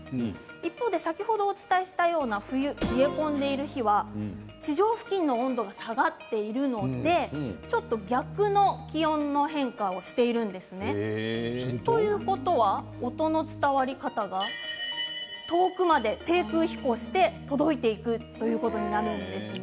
一方で先ほどお伝えしたような冬、冷え込んでいる日は地上付近の温度が下がっているのでちょっと逆の気温の変化をしているんですね。ということは音の伝わり方が遠くまで低空飛行して届いていくということになるんですね。